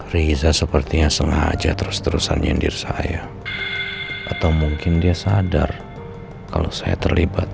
riza sepertinya sengaja terus terusan nyendir saya atau mungkin dia sadar kalau saya terlibat